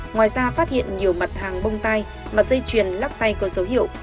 ngoài ra phát hiện nhiều mặt hàng bông tai mặt dây chuyền lắp tay cơn dấu hiệu